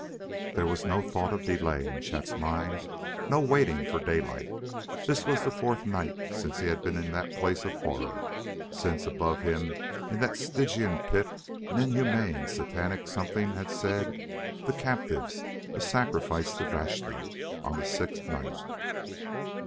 There was no thought of delay in Chet's mind, no waiting for daylight. This was the fourth night since he had been in that place of horror, since, above him in that Stygian pit, an inhuman satanic something had said: "... the captives ... a sacrifice to Vashta ... on the sixth night...."